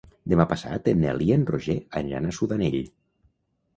Demà passat en Nel i en Roger aniran a Sudanell.